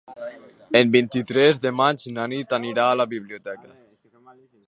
El vint-i-tres de maig na Nit anirà a la biblioteca.